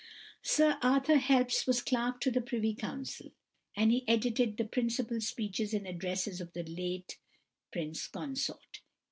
Sir Arthur Helps was Clerk to the Privy Council, and he edited the "Principal Speeches and Addresses of the late Prince Consort" (1862).